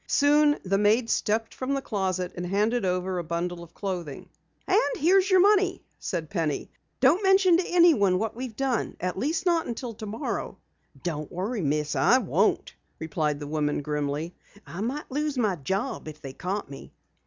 Soon the maid stepped from the closet, and handed over a bundle of clothing. "And here is your money," said Penny. "Don't mention to anyone what we've done at least not until tomorrow." "Don't worry, Miss, I won't," replied the woman grimly. "I might lose my job if they caught me."